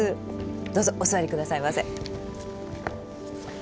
どうぞお座りくださいませ。